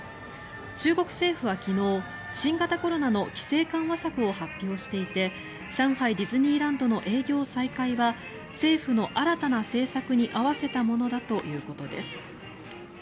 中国政府は昨日新型コロナの規制緩和策を発表していて上海ディズニーランドの営業再開は政府の新たな政策に合わせたものだということです。